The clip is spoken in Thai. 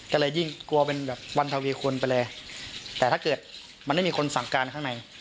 ก็เลยยิ่งกลัวเป็นแบบวันทวีคนไปเลยแต่ถ้าเกิดมันไม่มีคนสั่งการข้างใน